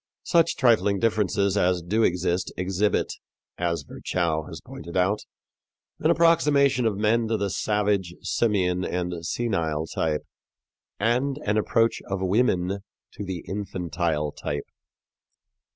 Such trifling differences as do exist exhibit, as Virchow has pointed out, an approximation of men to the savage, simian and senile type, and an approach of women to the infantile type.